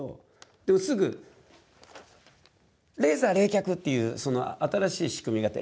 でもすぐ、レーザー冷却っていう新しい仕組みがあって。